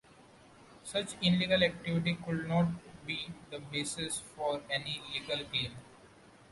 Such illegal activity could not be the basis for any legal claim.